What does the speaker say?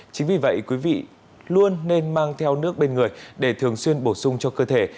chính vì vậy quý vị luôn nên mang theo nước bên người để thường xuyên bổ sung cho cơ thể